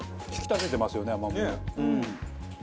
引き立ててますよね甘みを。